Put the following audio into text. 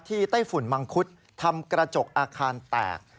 ไต้ฝุ่นมังคุดทำกระจกอาคารแตก